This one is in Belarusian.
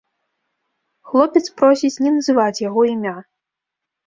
Хлопец просіць не называць яго імя.